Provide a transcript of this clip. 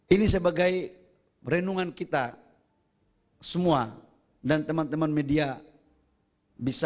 ini sebagai renungan kita semua dan teman teman media bisa